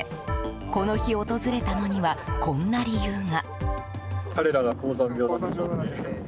この日、訪れたのにはこんな理由が。